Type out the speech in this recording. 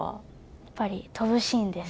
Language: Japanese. やっぱり飛ぶシーンです。